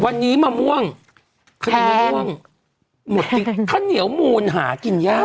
วันนี้มะม่วงแทงหมดดิขั้นเหนียวโม่นหากลิ่นยาก